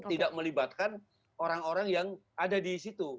tidak melibatkan orang orang yang ada di situ